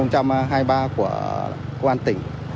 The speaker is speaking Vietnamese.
của công an tỉnh